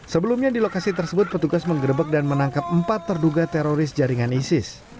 sebelumnya di lokasi tersebut petugas menggerebek dan menangkap empat terduga teroris jaringan isis